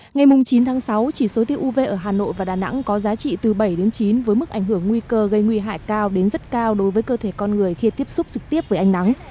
ngày chín tháng sáu chỉ số tiêu uv ở hà nội và đà nẵng có giá trị từ bảy chín với mức ảnh hưởng nguy cơ gây nguy hại cao đến rất cao đối với cơ thể con người khi tiếp xúc trực tiếp với ánh nắng